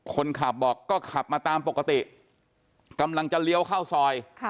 คนขับบอกก็ขับมาตามปกติกำลังจะเลี้ยวเข้าซอย